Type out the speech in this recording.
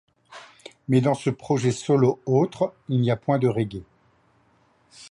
Mais dans ce projet solo autre, il n'y a point de reggae.